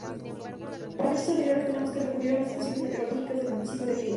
Para fechas anteriores tenemos que recurrir a las estaciones meteorológicas del Municipio de Vigo.